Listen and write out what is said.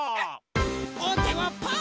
おててはパー！